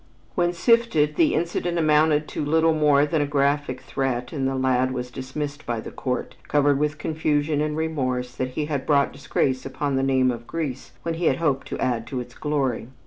When sifted, the incident amounted to little more than a graphic threat and the lad was dismissed by the court, covered with confusion and remorse that he had brought disgrace upon the name of Greece when he had hoped to add to its glory.